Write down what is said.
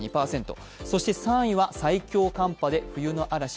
そして３位は最強寒波で冬の嵐。